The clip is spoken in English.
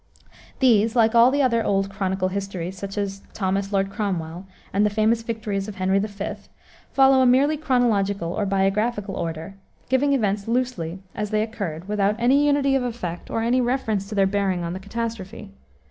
These, like all the other old "Chronicle histories," such as Thomas Lord Cromwell and the Famous Victories of Henry V., follow a merely chronological, or biographical, order, giving events loosely, as they occurred, without any unity of effect, or any reference to their bearing on the catastrophe.